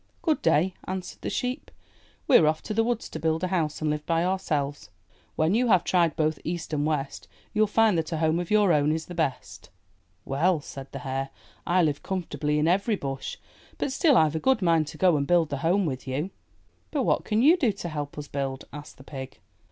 "Good day," answered the sheep. We*re off to the woods to build a house and live by ourselves. When you have tried both East and West, you*ll find that a home of your own is the best." Well," said the hare, "I live comfortably in every bush, but still Tve a good mind to go and build the home with you." 280 IN THE NURSERY ''But what can you do to help us build?*' asked the pig.